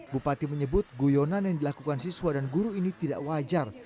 bupati menyebut guyonan yang dilakukan siswa dan guru ini tidak wajar